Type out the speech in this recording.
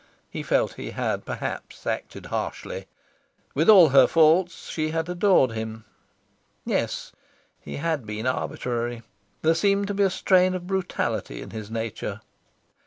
He felt he had perhaps acted harshly. With all her faults, she had adored him. Yes, he had been arbitrary. There seemed to be a strain of brutality in his nature.